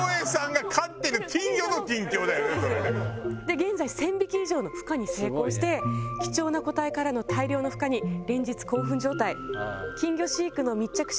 現在１０００匹以上の孵化に成功して貴重な個体からの大量の孵化に連日興奮状態。